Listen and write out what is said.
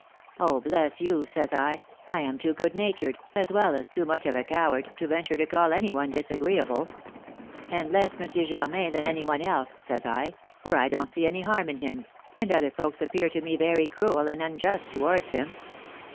'Oh, bless you,' says I, 'I am too good natured, as well as too much of a coward, to venture to call any one disagreeable; and less M. Germain than any one else,' says I, 'for I don't see any harm in him, and other folks appear to me very cruel and unjust towards him.'